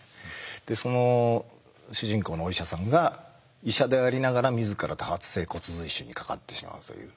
でその主人公のお医者さんが医者でありながら自ら多発性骨髄腫にかかってしまうという。